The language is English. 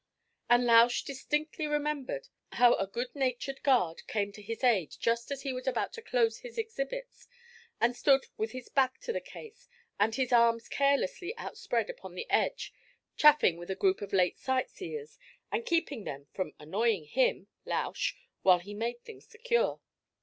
'And Lausch distinctly remembered how a good natured guard came to his aid just as he was about to close his exhibits, and stood with his back to the case, and his arms carelessly outspread upon the edge chaffing with a group of late sight seers, and keeping them from annoying him (Lausch) while he made things secure.